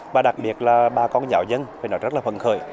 và đặc biệt là bà con nhỏ dân phải nói rất là phân khởi